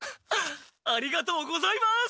ありがとうございます！